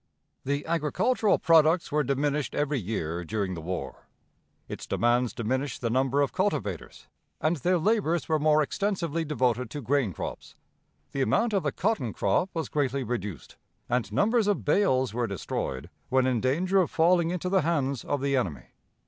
The agricultural products were diminished every year during the war. Its demands diminished the number of cultivators, and their labors were more extensively devoted to grain crops. The amount of the cotton crop was greatly reduced, and numbers of bales were destroyed when in danger of falling into the hands of the enemy.